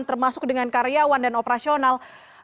termasuk dengan karyawan dan operasional